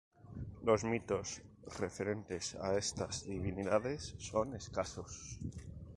Los mitos referentes a estas divinidades son escasos.